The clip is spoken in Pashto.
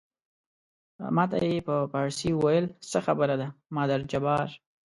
ما ته یې په فارسي وویل څه خبره ده مادر جبار.